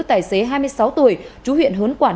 tài xế hai mươi sáu tuổi trú huyện hớn quảng